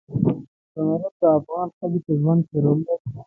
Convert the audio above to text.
زمرد د افغان ښځو په ژوند کې رول لري.